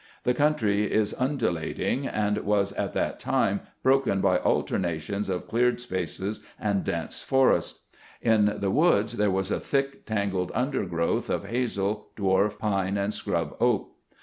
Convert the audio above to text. The country is undulating, and was at that time broken by alternations of cleared spaces and dense forests. In the woods there was a thick tangled undergrowth of hazel, dwarf pine, and scrub oak.